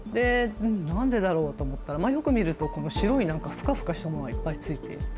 何でだろうと思ったらよく見ると白いフカフカしたものがいっぱい付いている。